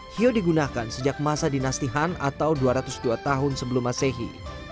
hiyo digunakan sejak masa dinasti han atau dua ratus dua tahun sebelum masehi